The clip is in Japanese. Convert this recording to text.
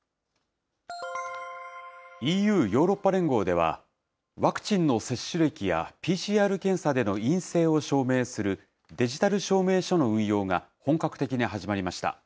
ＥＵ・ヨーロッパ連合では、ワクチンの接種歴や、ＰＣＲ検査での陰性を証明するデジタル証明書の運用が本格的に始まりました。